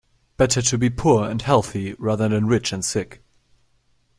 Better to be poor and healthy rather than rich and sick.